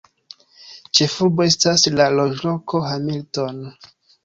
Ĉefurbo estas la loĝloko Hamilton.